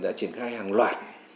đã triển khai hàng loạt